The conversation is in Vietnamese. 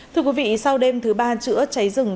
thưa quý vị sau đêm thứ ba chữa cháy rừng